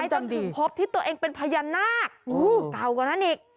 จนถึงพบที่ตัวเองเป็นพญานาคเก่ากว่านั้นอีก